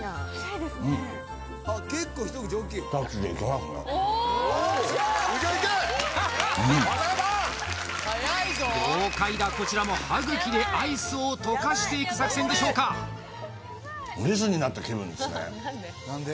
うんうん豪快だこちらも歯茎でアイスを溶かしていく作戦でしょうかうん？